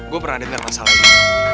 gue pernah dengar masalah ini